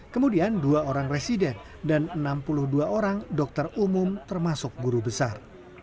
kemudian dua orang residen dan enam puluh dua orang dokter umum termasuk guru besar